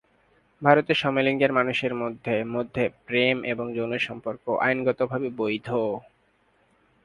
ভারতে সমলিঙ্গের মানুষের মধ্যে মধ্যে প্রেম এবং যৌন সম্পর্ক আইনগতভাবে বৈধ।